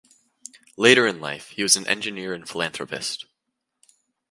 Later in life he was an engineer and philanthropist.